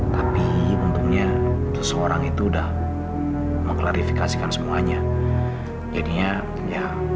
tapi untungnya seseorang itu udah mengklarifikasikan semuanya jadinya ya